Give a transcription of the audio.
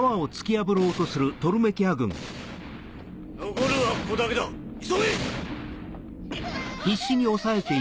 残るはここだけだ急げ！